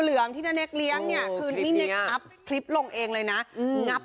เหลืองที่น่ะเนกเลี้ยงเนี่ยพูดนี่เนอกับคลิปลงเองเลยนะมื้อเงี๊ยบ